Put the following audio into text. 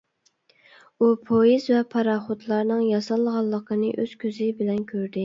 ئۇ پويىز ۋە پاراخوتلارنىڭ ياسالغانلىقىنى ئۆز كۆزى بىلەن كۆردى.